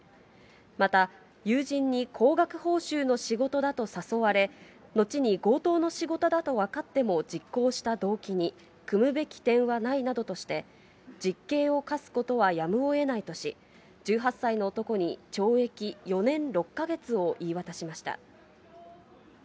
また友人に高額報酬の仕事だと誘われ、のちに強盗の仕事だと分かっても実行した動機に、酌むべき点はないなどとして、実刑を科すことはやむをえないとし、１８歳の男に懲役４年６か月を言い渡しました。